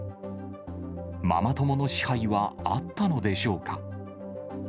ママ友の支配はあったのでしょうか。